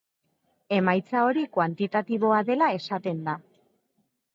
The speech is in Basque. Emaitza hori kuantitatiboa dela esaten da.